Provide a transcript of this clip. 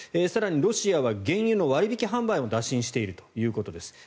更にロシアは原油の割引販売を打診しているということです。